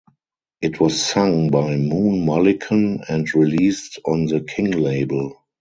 It was sung by Moon Mullican and released on the King label.